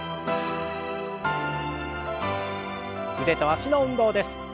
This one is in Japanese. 腕と脚の運動です。